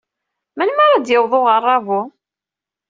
Melmi ara d-yaweḍ uɣerrabu?